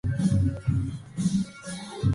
La influencia Olmeca es notable.